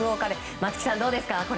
松木さん、どうですか？